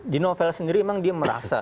di novel sendiri memang dia merasa